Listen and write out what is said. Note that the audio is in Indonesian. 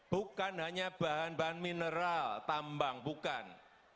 bukan hanya bahan bahan mineral tambang bukan